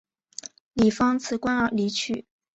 李芳辞官离去。